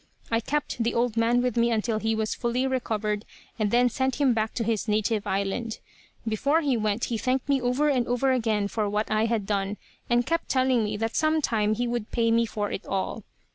I kept the old man with me until he was fully recovered, and then sent him back to his native island. Before he went, he thanked me over and over again for what I had done, and kept telling me that some time he would pay me for it all.